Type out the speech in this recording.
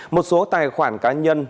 một số tài khoản cá nhân